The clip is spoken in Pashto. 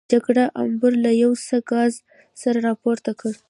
جګړن امبور له یو څه ګاز سره راپورته کړ.